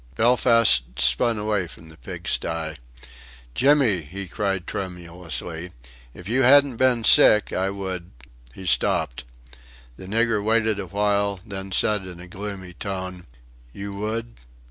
Belfast spun away from the pigstye. "Jimmy," he cried tremulously, "if you hadn't been sick I would " He stopped. The nigger waited awhile, then said, in a gloomy tone: "You would....